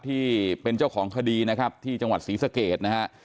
ที่เป็นเจ้าของคดีนะครับที่จังหวัดศรีสะเกดนะฮะ